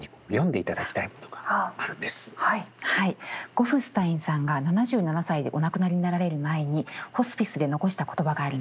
ゴフスタインさんが７７歳でお亡くなりになられる前にホスピスで残した言葉があるんですね。